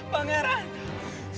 semakin dekat semakin harum